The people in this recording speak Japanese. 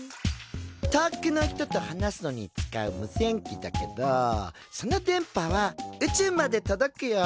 遠くの人と話すのに使う無線機だけどその電波は宇宙まで届くよ。